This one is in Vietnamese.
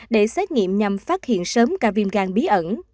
để xét nghiệm nhằm phát hiện sớm ca viêm gan bí ẩn